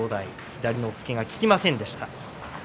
左の押っつけが効きませんでした。